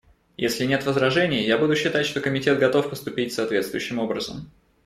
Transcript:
Если нет возражений, я буду считать, что Комитет готов поступить соответствующим образом.